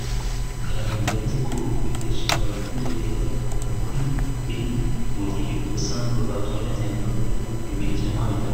Karamage yavuze ko ubu ibyiciro babyongereye bagafata muri bine mu gihe ubusanzwe batoranywaga muri bibiri cyangwa bitatu